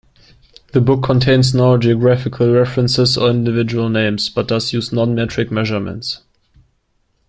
The book contains no geographical references or individual names, but does use non-metric measurements.